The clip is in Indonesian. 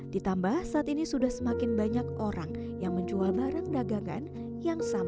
ditambah saat ini sudah semakin banyak orang yang menjual barang dagangan yang sama